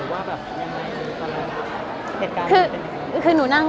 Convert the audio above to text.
มากคือขอบคุณดีของน้อง